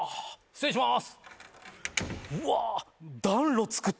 失礼します。